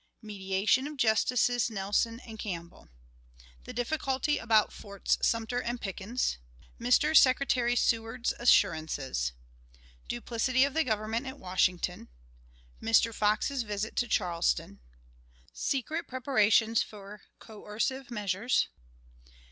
Mediation of Justices Nelson and Campbell. The Difficulty about Forts Sumter and Pickens. Mr. Secretary Seward's Assurances. Duplicity of the Government at Washington. Mr. Fox's Visit to Charleston. Secret Preparations for Coercive Measures.